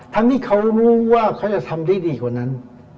ที่เขารู้ว่าเขาจะทำได้ดีกว่านั้น